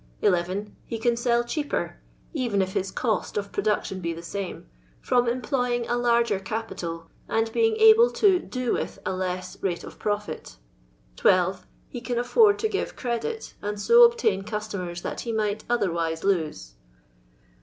(11) He can sell cheaper (even if his cost of pro duction be the same), from employing a larger capital, itiid being able to *' do with" a less rate of profit. (12) He can afford to give credit, and I so obtain customers that he might otherwise I lose.